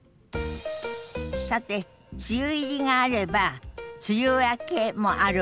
さて梅雨入りがあれば梅雨明けもあるわね。